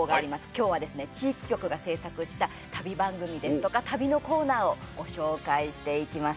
今日はですね、地域局が制作した旅番組ですとか旅のコーナーをご紹介していきます。